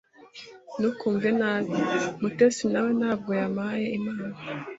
Ntukumve nabi. Mutesi nawe ntabwo yampaye impano.